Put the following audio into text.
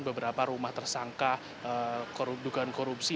beberapa rumah tersangka dugaan korupsi